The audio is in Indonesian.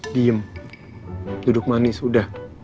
diem duduk manis udah